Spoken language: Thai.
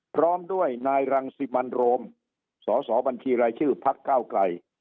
พร้อมด้วยนายรังสิมันโรมสสบัญชีรายชื่อพักเก้าไกล